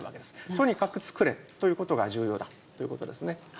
とにかく作れということが重要だということですね。